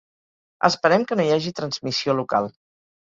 Esperem que no hi hagi transmissió local.